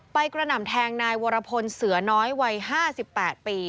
กระหน่ำแทงนายวรพลเสือน้อยวัย๕๘ปี